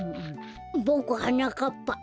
ボクはなかっぱ。